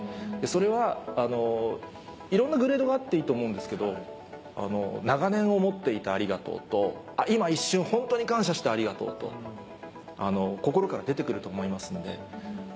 それはいろんなグレードがあっていいと思うんですけど長年思っていた「ありがとう」と今一瞬ホントに感謝した「ありがとう」と心から出て来ると思いますので。